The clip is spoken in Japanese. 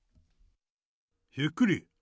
ゆっくり！